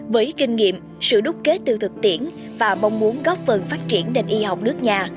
với kinh nghiệm sự đúc kết từ thực tiễn và mong muốn góp phần phát triển nền y học nước nhà